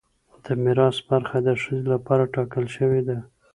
د میراث برخه د ښځې لپاره ټاکل شوې ده.